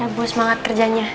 ya bos semangat kerjanya